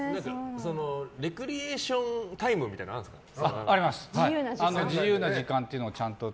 レクリエーションタイムみたいなのはあるんですか？